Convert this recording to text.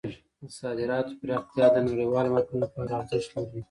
د صادراتو پراختیا د نړیوالو مارکیټونو لپاره ارزښت لري.